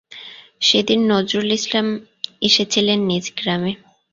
সেদিন নজরুল ইসলাম এসেছিলেন নিজ গ্রামে।